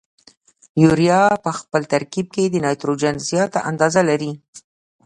یوریا په خپل ترکیب کې د نایتروجن زیاته اندازه لري.